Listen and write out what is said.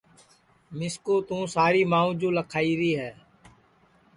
مِسکُو توں ساری مانٚو جُو لکھائیری ہے